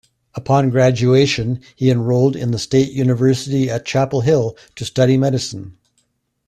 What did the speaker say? Upon graduation he enrolled in the state university at Chapel Hill to study medicine.